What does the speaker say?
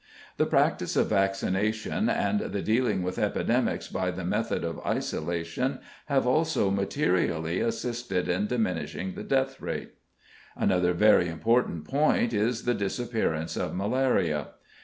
The practice of vaccination, and the dealing with epidemics by the method of isolation, have also materially assisted in diminishing the death rate. Another very important point is the disappearance of malaria.